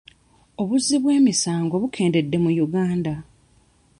Obuzzi bw'emisango bukendedde mu Uganda.